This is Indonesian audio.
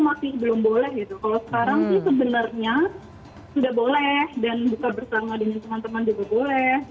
kalau sekarang sih sebenarnya sudah boleh dan buka bersama dengan teman teman juga boleh